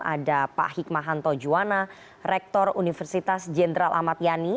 ada pak hikmahanto juwana rektor universitas jenderal ahmad yani